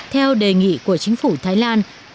theo đề nghị của chính phủ thái lan